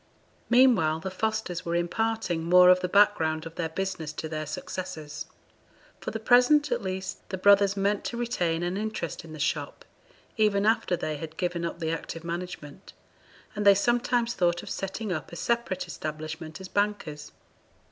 Meanwhile the Fosters were imparting more of the background of their business to their successors. For the present, at least, the brothers meant to retain an interest in the shop, even after they had given up the active management; and they sometimes thought of setting up a separate establishment as bankers.